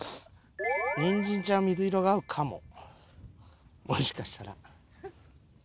にんじんちゃん水色が合うかももしかしたら。